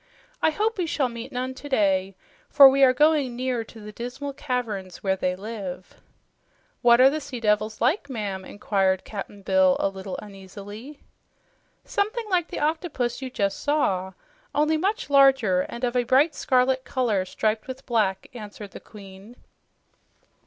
"I hope we shall meet none today, for we are going near to the dismal caverns where they live." "What are the sea devils like, ma'am?" inquired Cap'n Bill a little uneasily. "Something like the octopus you just saw, only much larger and of a bright scarlet color, striped with black," answered the Queen.